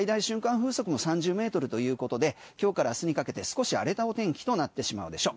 風速も３０ｍということで今日から明日にかけて少し荒れたお天気となってしまうでしょう。